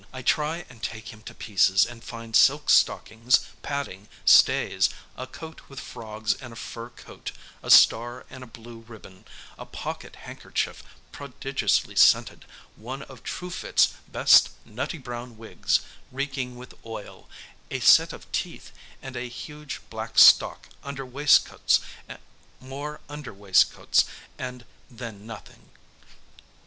I try and take him to pieces, and find silk stockings, padding, stays, a coat with frogs and a fur coat, a star and a blue ribbon, a pocket handkerchief prodigiously scented, one of Truefitt's best nutty brown wigs reeking with oil, a set of teeth, and a huge black stock, under waistcoats, more under waistcoats, and then nothing.'